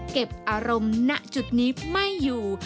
เก็บอารมณ์ณจุดนี้ไม่อยู่